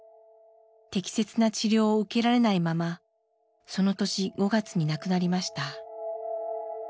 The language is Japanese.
適切な治療を受けられないままその年５月に亡くなりました。